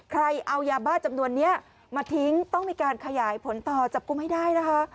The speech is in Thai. ใครเอายาบ้าจำนวนนี้มาทิ้งต้องมีการขยายผลต่อจับกุมให้ได้นะคะ